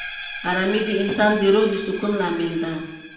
آرامي د انسان د روح د سکون لامل ده.